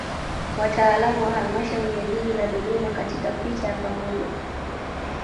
Wataalam wa Halmashauri ya Jiji la Dodoma katika picha ya pamoja